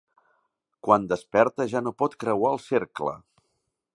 Quan desperta ja no pot creuar el cercle.